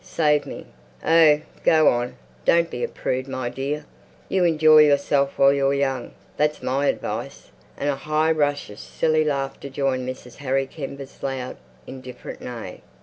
Save me!" ... "Oh, go on! Don't be a prude, my dear. You enjoy yourself while you're young. That's my advice." And a high rush of silly laughter joined Mrs. Harry Kember's loud, indifferent neigh.